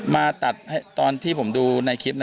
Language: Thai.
มาตัดตอนที่ผมดูในคลิป